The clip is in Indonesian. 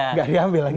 nggak diambil lagi